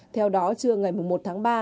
theo đó trưa ngày một tháng ba